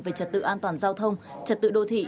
về trật tự an toàn giao thông trật tự đô thị